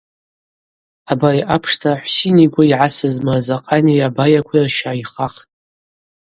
Абари апшта Хӏвсин йгвы йгӏасыз Мырзакъани абайакви рща йхахтӏ.